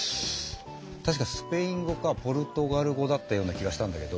確かスペイン語かポルトガル語だったような気がしたんだけど。